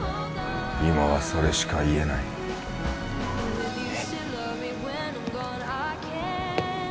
今はそれしか言えないえっ？